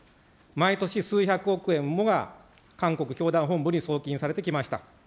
毎年数百億円もが韓国教団本部に送金されてきました。